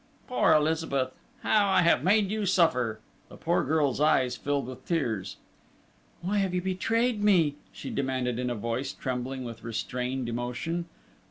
"Poor Elizabeth! How I have made you suffer!" The poor girl's eyes filled with tears. "Why have you betrayed me?" she demanded in a voice trembling with restrained emotion.